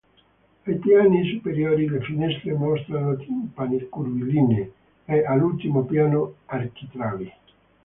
Ai piani superiori le finestre mostrano timpani curvilinei e, all'ultimo piano, architravi.